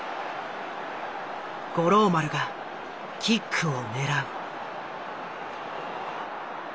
五郎丸がキックを狙う。